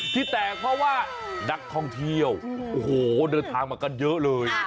ที่แตกเพราะว่านักท่องเที่ยวโอ้โหเดินทางมากันเยอะเลย